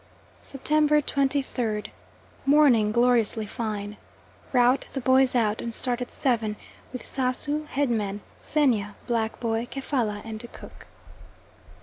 September 23rd. Morning gloriously fine. Rout the boys out, and start at seven, with Sasu, Head man, Xenia, Black boy, Kefalla and Cook.